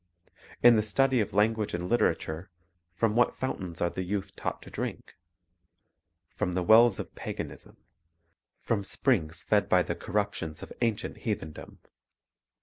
In the study of language and literature, from what fountains are the youth taught to drink? — From the wells of paganism; from springs fed by the cor ruptions of ancient heathendom.